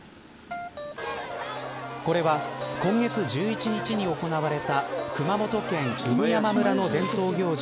これは今月１１日に行われた熊本県産山村の伝統行事